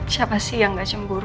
siapa sih yang gak cemburu